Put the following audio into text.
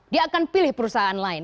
dia akan pilih perusahaan lain